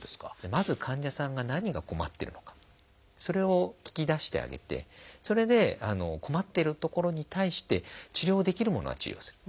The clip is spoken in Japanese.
まず患者さんが何が困ってるのかそれを聞き出してあげてそれで困っているところに対して治療できるものは治療する。